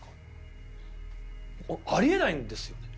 あり得ないんですよね。